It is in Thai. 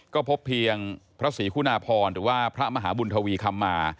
ก็พบเพียงพระศรีคุณาพรหรือว่าพระมหาบุญทวีคำมา